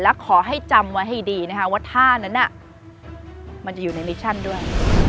และขอให้จำไว้ให้ดีนะคะว่าท่านั้นมันจะอยู่ในลิชั่นด้วย